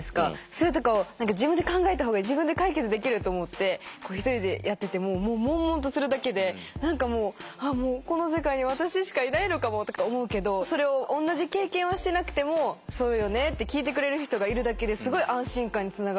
それとかを自分で考えたほうがいい自分で解決できると思って一人でやってても悶々とするだけで何かもうああこの世界に私しかいないのかもとか思うけどそれを同じ経験はしてなくてもそうよねって聞いてくれる人がいるだけですごい安心感につながると思うので。